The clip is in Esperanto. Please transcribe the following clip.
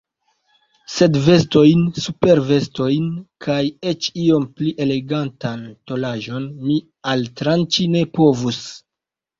Sed vestojn, supervestojn kaj eĉ iom pli elegantan tolaĵon mi altranĉi ne povus.